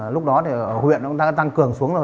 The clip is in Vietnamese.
lúc đó thì ở huyện nó đã tăng cường xuống rồi